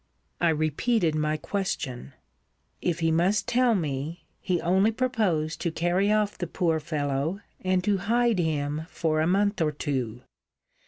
I repeated my question. If he must tell me, he only proposed to carry off the poor fellow, and to hide him for a month or two.